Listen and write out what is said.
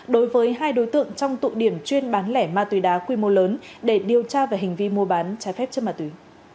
đối với hai đối tượng trong tụ điểm chuyên bán lẻ ma túy đá quy mô lớn để điều tra về hành vi mua bán trái phép chất ma túy